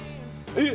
えっ？